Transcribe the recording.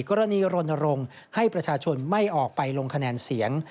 กรณีรณรงค์ให้ประชาชนไม่ออกไปลงคะแนนเสียง